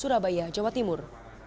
surabaya jawa timur